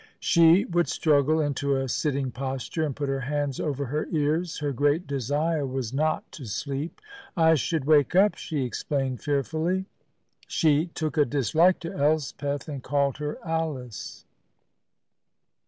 She would struggle into a sitting posture and put her hands over her ears. Her great desire was not to sleep. "I should wake up," she explained fearfully. She took a dislike to Elspeth, and called her "Alice."